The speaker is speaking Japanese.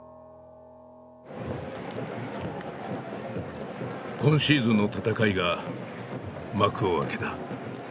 今シーズンの戦いが幕を開けた。